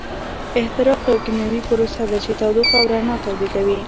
احتراق یوه کیمیاوي پروسه ده چې تودوخه او رڼا تولیدوي.